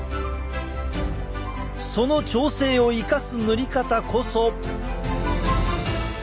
その調整を生かす塗り方こそ。